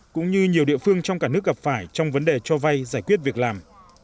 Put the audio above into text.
cũng như nhiều địa phương trong cả nước gặp phải trong vấn đề cho vay giải quyết việc làm